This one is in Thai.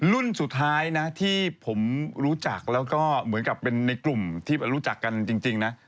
รุ่นสุดท้ายนะที่ผมรู้จักแล้วก็เหมือนกับเป็นในกลุ่มที่รู้จักกันจริงนะ